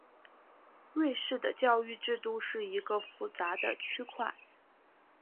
瑞士的教育制度是一个复杂的区块。